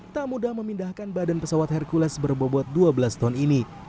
tak mudah memindahkan badan pesawat hercules berbobot dua belas ton ini